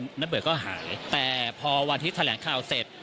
ณเบิร์ตก็หายแต่พอวันที่แถลงข่าวเสร็จ